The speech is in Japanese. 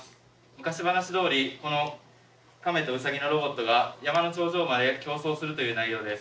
昔話どおりこのカメとウサギのロボットが山の頂上まで競走するという内容です。